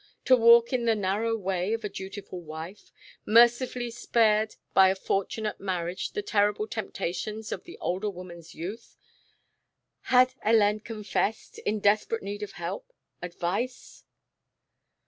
to walk in the narrow way of the dutiful wife mercifully spared by a fortunate marriage the terrible temptations of the older woman's youth? Had Hélène confessed ... in desperate need of help, advice?